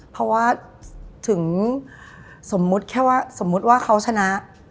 เพราะว่าถึงสมมุติว่าเขาชนะ